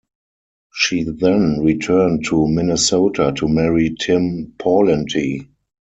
She then returned to Minnesota to marry Tim Pawlenty.